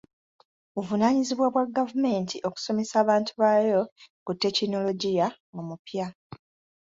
Buvunaanyizibwa bwa gavumenti okusomesa abantu baayo ku tekinologiya omupya.